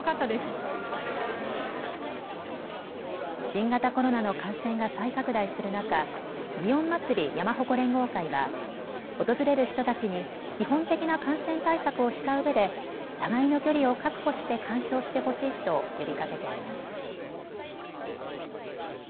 新型コロナの感染が再拡大する中、祇園祭山鉾連合会は訪れる人たちに基本的な感染対策をしたうえで互いの距離を確保して鑑賞してほしいと呼びかけています。